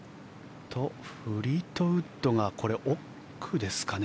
フリートウッドがこれ、奥ですかね。